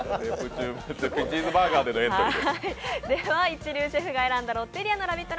一流シェフが選んだロッテリアのラヴィット！